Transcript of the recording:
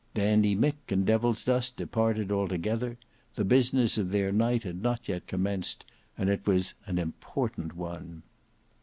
Dandy Mick and Devilsdust departed together; the business of their night had not yet commenced, and it was an important one.